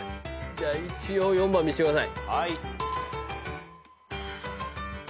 じゃあ一応４番見せてください。